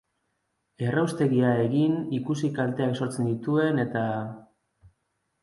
Erraustegia egin, ikusi kalteak sortzen dituen eta...